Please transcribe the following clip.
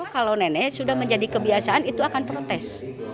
kalau nenek sudah menjadi kebiasaan itu akan protes